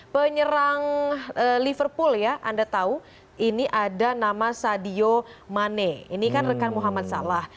penyerang liverpool ya anda tahu ini ada nama sadio mane ini kan rekan muhammad salah